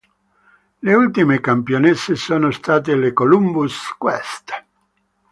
Le ultime campionesse sono state le Columbus Quest.